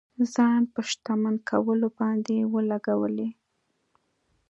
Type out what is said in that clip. ځان په شتمن کولو باندې ولګولې.